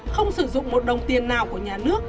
không sử dụng một đồng tiền nào của nhà nước